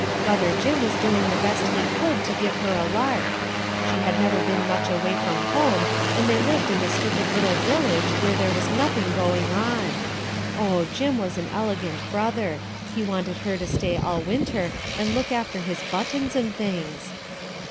Brother Jim was doing the best he could to give her a. lark. She had never been much away from home and they lived in a stupid little village where there was nothing going on. 01), 50 RUTH ERSKINE'S SON Jim was an elegant brother; be wanted her to stay all winter and look after his buttons and things."